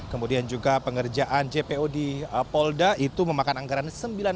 kemudian juga pengerjaan jpo di polda itu memakan anggaran sembilan belas tiga puluh enam